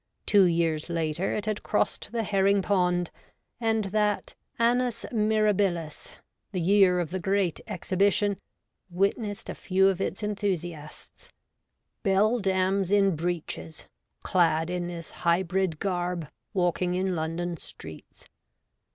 Two years later it had crossed the herring pond, and that Annus Mirabilis, the year of the Great Exhibition, witnessed a few of its enthusiasts — beldams in breeches — clad in this hybrid garb, walking in London streets.